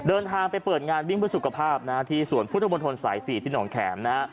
เดินทางไปเปิดงานวิ่งด้วยสุขภาพที่สวนพุทธบนธนศราย๔ที่หนองแขมนะ